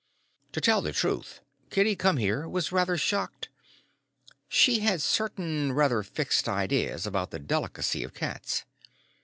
To tell the truth, Kitty Come Here was rather shocked. She had certain rather fixed ideas about the delicacy of cats.